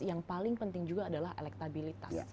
yang paling penting juga adalah elektabilitas